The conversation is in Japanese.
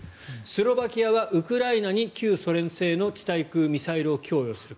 スロバキアはウクライナに旧ソ連製の地対空ミサイルを供与する。